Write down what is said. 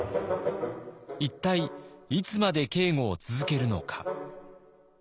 一体いつまで警固を続けるのか。